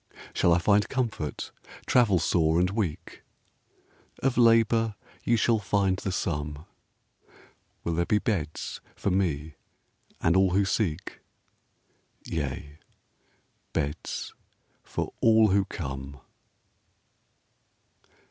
Shall I find comfort, travel sore and weak? Of labor you shall find the sum. Will there be beds for me and all who seek? Yea, beds for all who come.